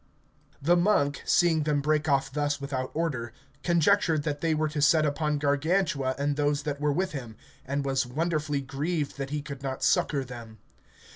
The monk, seeing them break off thus without order, conjectured that they were to set upon Gargantua and those that were with him, and was wonderfully grieved that he could not succour them.